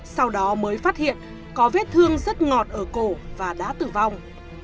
sau đó mới phát hiện có vết thương rất ngọt ở cổ và đã tử vong